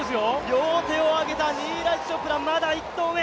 両手を挙げたニーラジ・チョプラ、まだ１投目。